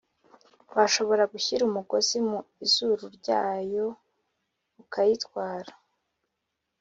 Washobora gushyira umugozi mu izuru ryayo ukayitwara